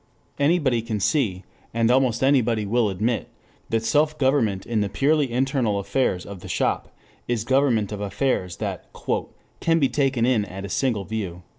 4 Anybody can see, and almost everybody will admit, that self government in the purely internal affairs of the shop is government of affairs that "can be taken in at a single view."